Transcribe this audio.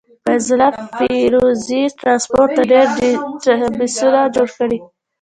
فيض الله فيروزي ټرانسپورټ ته ډير ډيټابسونه جوړ کړي.